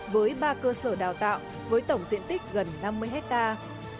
với ba cơ sở đào tạo với tổng diện tích gần năm mươi hectare